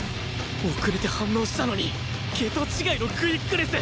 遅れて反応したのに桁違いのクイックネス！